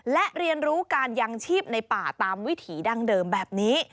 และเรียนรู้การยังชีพในป่าตามวิถีดั้งเดิมแบบนี้